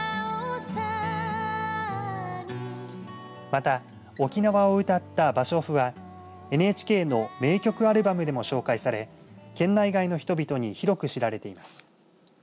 また、沖縄を歌った芭蕉布はＮＨＫの名曲アルバムでも紹介され県内外の人々に広く知られています。